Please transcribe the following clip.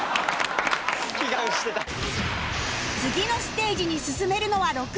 次のステージに進めるのは６人